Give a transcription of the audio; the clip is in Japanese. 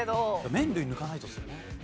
麺類抜かないとですよね。